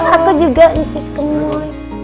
aku juga uncus kemu